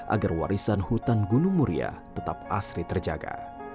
agar warisan hutan gunung muria tetap asri terjaga